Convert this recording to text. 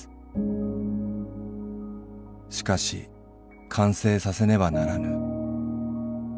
しかし完成させねばならぬ。